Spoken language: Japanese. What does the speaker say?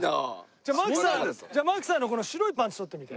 じゃあ槙さんじゃあ槙さんのこの白いパンツ撮ってみて。